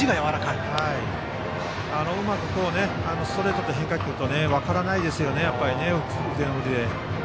うまくストレートと変化球と分からないですよね、腕の振りで。